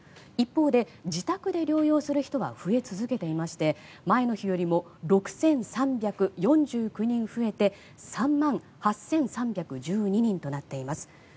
一方で自宅で療養する人は増え続けていまして前の日よりも６３４９人増えて３万８３１２人となっています。